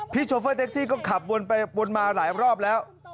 พี่ชอเฟอร์แท็กซี่ก็ขับวนมาหลายรอบแล้ว